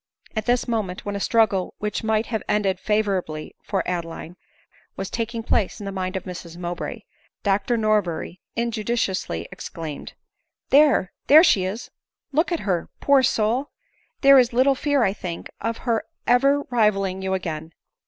At this moment, when a struggle which might have ended favorably for Adeline was taking place in the mind of Mrs Mowbray, Dr Norberry injudiciously exclaimed, "There — there she is? Look at her, poor soul ! There is little fear, 1 think, of her ever rivalling you again."